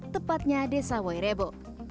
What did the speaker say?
tepatnya desa wairabo